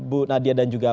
bu nadia dan juga